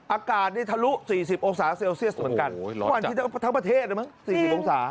อากาศนี่ทะลุ๔๐องศาเซลเซียสเหมือนกันวันที่ทั้งประเทศนะมั้ง๔๐องศา